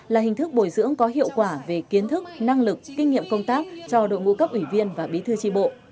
là hình thức bồi dưỡng có hiệu quả về kiến thức năng lực kinh nghiệm công tác cho đội ngũ cấp ủy viên và bí thư tri bộ